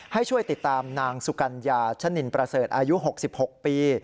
ให้ช่วยติดตามนางสุกัญญาชะนินประเสริฐอายุ๖๖ปี